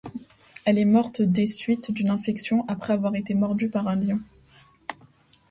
Elle est morte des suites d'une infection après avoir été mordue par un lion.